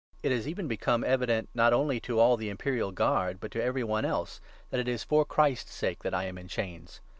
It has even become evident, not 13 only to all the Imperial Guard, but to every one else, that it is for 400 PHII.IPPIANS, 1. Christ's sake that I am in chains.